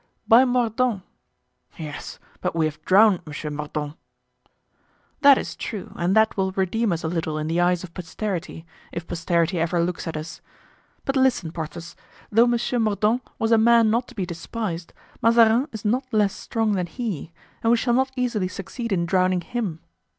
"By Mordaunt." "Yes, but we have drowned Monsieur Mordaunt." "That is true, and that will redeem us a little in the eyes of posterity, if posterity ever looks at us. But listen, Porthos: though Monsieur Mordaunt was a man not to be despised, Mazarin is not less strong than he, and we shall not easily succeed in drowning him.